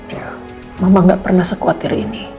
iya mama ga pernah sekuatir ini